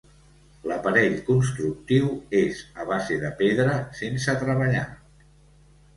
L'aparell constructiu és a base de pedra sense treballar.